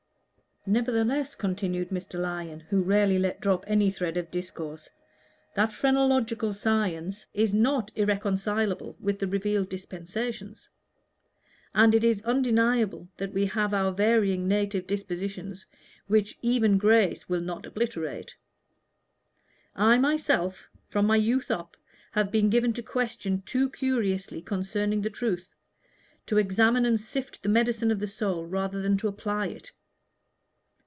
"Nevertheless," continued Mr. Lyon, who rarely let drop any thread of discourse, "that phrenological science is not irreconcilable with the revealed dispensations. And it is undeniable that we have our varying native dispositions which even grace will not obliterate. I myself, from my youth up, have been given to question too curiously concerning the truth to examine and sift the medicine of the soul rather than to apply it."